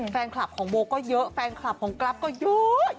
แฟนคลับของโบก็เยอะแฟนคลับของกรัฟก็เยอะ